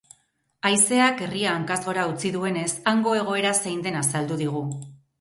Haizeak herria hankaz gora utzi duenez, hango egoera zein den azaldu digu.